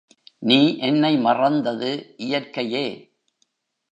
நீ என்னை மறந்தது இயற்கையே.